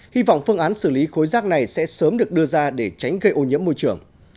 hy vọng phương án xử lý khối rác này sẽ sớm được đưa ra để tránh gây ô nhiễm môi trường